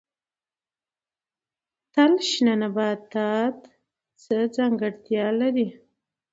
تل شنه نباتات څه ځانګړتیا لري؟